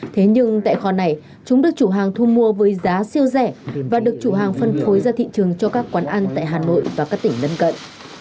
thế nhưng tại kho này chúng được chủ hàng thu mua với giá siêu rẻ và được chủ hàng phân phối ra thị trường cho các quán ăn tại hà nội và các tỉnh lân cận